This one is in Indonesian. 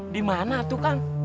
dimana tuh kang